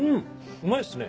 うまいっすね。